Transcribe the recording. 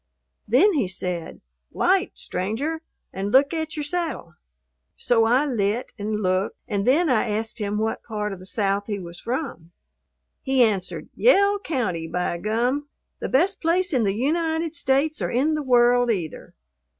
Then he said, "Light, stranger, and look at your saddle." So I "lit" and looked, and then I asked him what part of the South he was from. He answered, "Yell County, by gum! The best place in the United States, or in the world, either."